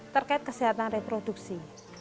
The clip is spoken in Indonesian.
terkait kesehatan reproduksi